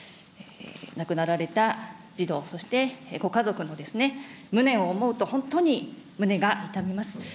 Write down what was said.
亡くなられた児童、そしてご家族の無念を思うと、本当に胸が痛みます。